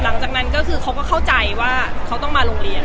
หลังจากนั้นก็คือเขาก็เข้าใจว่าเขาต้องมาโรงเรียน